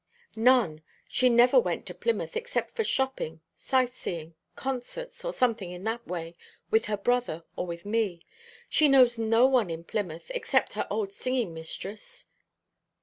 "None. She never went to Plymouth except for shopping, sight seeing, concerts, or something in that way, with her brother, or with me. She knows no one in Plymouth except her old singing mistress."